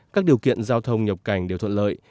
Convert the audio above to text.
các điều kiện giao thông nhập cảnh đều thuận lợi